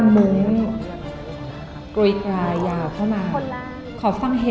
เหตุผลที่เลือกชุดนั้นมากค่ะเพราะว่าความมั่นใจของแต่ละคนต่างกัน